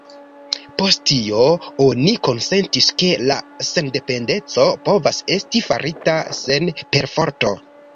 Post tio, oni konsentis, ke la sendependeco povas esti farita sen perforto.